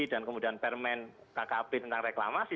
dan kemudian permen kkp tentang reklamasi